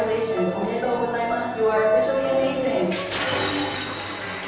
おめでとうございます。